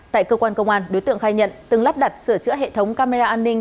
tại cơ quan công an đối tượng khai nhận từng lắp đặt sửa chữa hệ thống camera an ninh